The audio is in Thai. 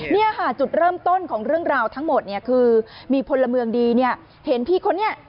เนี่ยค่ะจุดเริ่มต้นของเรื่องราวทั้งหมดเนี่ยคือมีพลเมืองดีเนี่ยเห็นพี่คนนี้